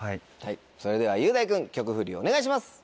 それでは雄大君曲フリお願いします！